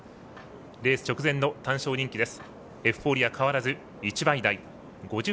レース直前の単勝人気です。